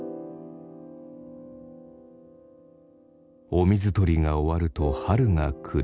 お水取りが終わると春が来る。